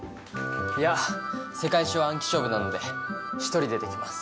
いや世界史は暗記勝負なので１人でできます。